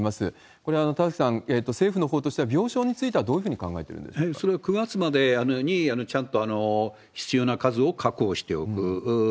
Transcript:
これは田崎さん、政府のほうとしては、病床についてはどういうふうに考えているんそれは９月までにちゃんと必要な数を確保しておく。